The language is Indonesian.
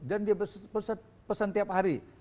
dan dia pesan tiap hari